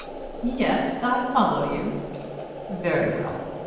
"Yes, I follow you." "Very well.